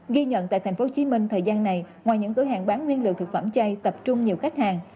ghi nhận tại tp hcm thời gian này ngoài những cửa hàng bán nguyên liệu thực phẩm chay tập trung nhiều khách hàng